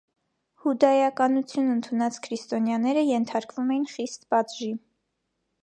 Հուդայականություն ընդունած քրիստոնյաները ենթարկվում էին խիստ պատժի։